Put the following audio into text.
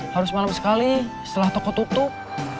harus malam sekali setelah toko tutup